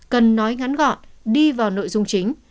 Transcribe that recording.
cần nói ngắn gọn đi vào nội dung chính